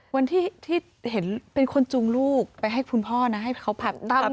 วันที่เห็นเป็นคนจูงลูกไปให้คุณพ่อนะให้เขาผับดั้ม